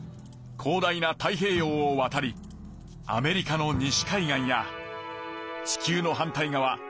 広大な太平洋をわたりアメリカの西海岸や地球の反対側